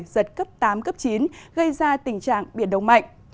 giật cấp tám cấp chín gây ra tình trạng biển động mạnh